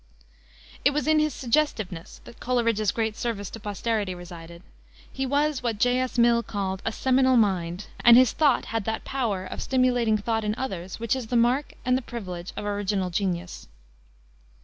It was in his suggestiveness that Coleridge's great service to posterity resided. He was what J. S. Mill called a "seminal mind," and his thought had that power of stimulating thought in others, which is the mark and the privilege of original genius.